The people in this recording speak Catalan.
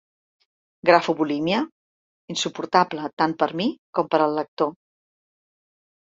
¿grafobulímia?— insuportable tant per a mi com per al lector.